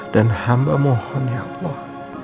dan hamba mohon ya allah